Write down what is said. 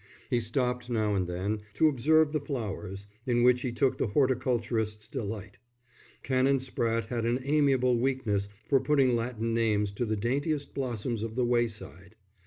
He stopped now and then to observe the flowers, in which he took the horticulturist's delight: Canon Spratte had an amiable weakness for putting Latin names to the daintiest blossoms of the way side.